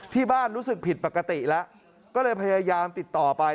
รู้สึกผิดปกติแล้วก็เลยพยายามติดต่อไป